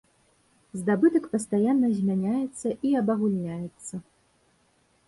Здабытак пастаянна змяняецца і абагульняецца.